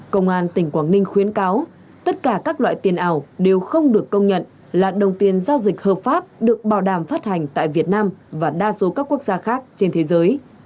công an tỉnh quảng ninh khuyến cáo tất cả các loại tiền ảo đều không được công nhận là đồng tiền giao dịch hợp pháp được bảo đảm phát hành tại việt nam và đa số các quốc gia khác trên thế giới